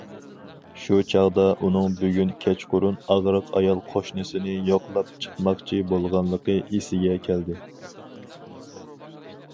شۇ چاغدا ئۇنىڭ بۈگۈن كەچقۇرۇن ئاغرىق ئايال قوشنىسىنى يوقلاپ چىقماقچى بولغانلىقى ئېسىگە كەلدى.